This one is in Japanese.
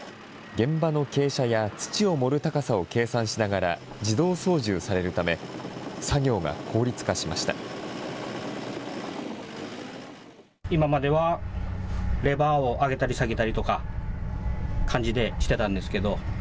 現場の傾斜や土を盛る高さを計算しながら自動操縦されるため、作業が効率化しました。